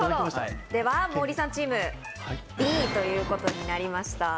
ではモーリーさんチーム、Ｂということになりました。